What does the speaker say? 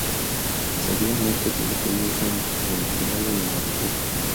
Seguidamente dio enseñanza en Leningrado y en Moscú.